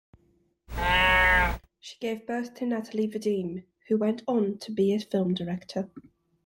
She gave birth to Nathalie Vadim, who went on to be a film director.